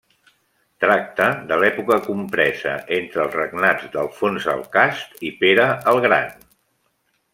Tracta de l'època compresa entre els regnats d'Alfons el Cast i Pere el Gran.